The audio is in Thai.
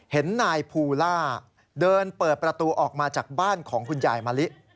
เห็นนายภูล่าเดินเปิดประตูออกมาจากบ้านของคุณยายมะลิ